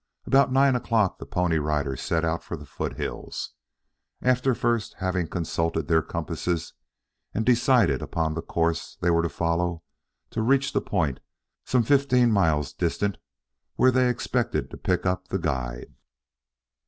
About nine o'clock the Pony Riders set out for the foothills, after first having consulted their compasses and decided upon the course they were to follow to reach the point, some fifteen miles distant, where they expected to pick up the guide.